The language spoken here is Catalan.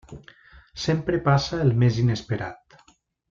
Sempre passa el més inesperat.